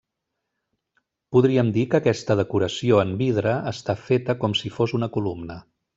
Podríem dir que aquesta decoració en vidre està feta com si fos una columna.